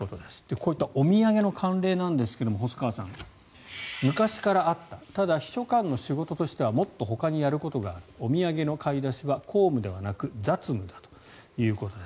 こういったお土産の慣例ですが細川さん昔からあったただ、秘書官の仕事としてはもっとほかにやることがあるお土産の買い出しは公務ではなく雑務だということです。